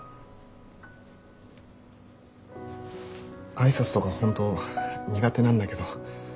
挨拶とか本当苦手なんだけど。